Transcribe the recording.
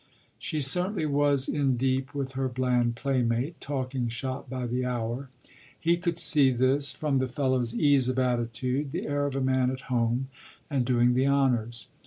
She certainly was in deep with her bland playmate, talking shop by the hour: he could see this from the fellow's ease of attitude, the air of a man at home and doing the honours.